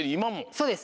そうです。